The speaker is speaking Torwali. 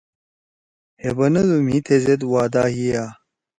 ہے بنَدُو مھی تھیزید وعدہ ہیا۔